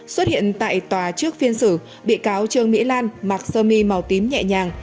xuất hiện tại tòa trước phiên xử bị cáo trương mỹ lan mặc sơ mi màu tím nhẹ nhàng